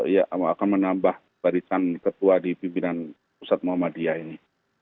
ya akan menambah barisan ketua di pimpinan pusat muhammadiyah ini